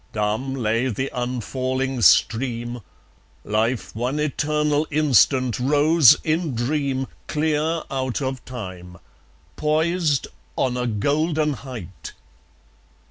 Dumb lay the unfalling stream; Life one eternal instant rose in dream Clear out of time, poised on a golden height.